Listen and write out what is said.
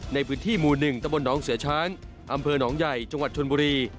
ในพื้นที่หมู่๑ตะบนน้องเสือช้างอำเภอหนองใหญ่จังหวัดชนบุรี